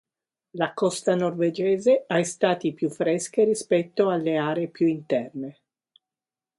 La costa norvegese ha estati più fresche rispetto alle aree più interne.